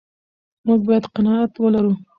موږ باید قناعت ولرو.